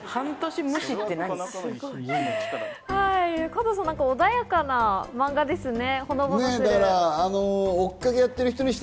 加藤さん、穏やかなマンガですね。